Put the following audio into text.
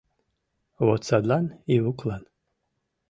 — Вот садлан Ивуклан